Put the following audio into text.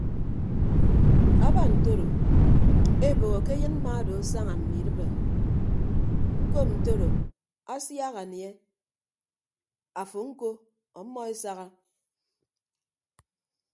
Aba ntoro eboho ke ayịn mma odo asaña mme idịp ñkọp ntodo asiak anie afo ñko ọmmọ esaha.